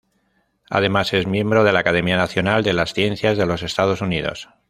Además es miembro de la Academia Nacional de las Ciencias de los Estados Unidos.